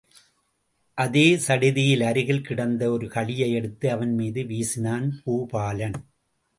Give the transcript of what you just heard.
அதே சடுதியில், அருகில் கிடந்த ஒரு கழியை எடுத்து அவன் மீது வீசினான் பூபாலன்.